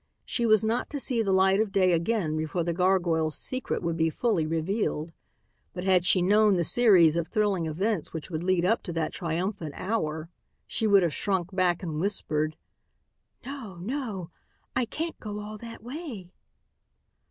She was not to see the light of day again before the gargoyle's secret would be fully revealed, but had she known the series of thrilling events which would lead up to that triumphant hour, she would have shrunk back and whispered, "No, no, I can't go all that way."